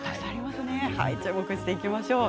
注目していきましょう。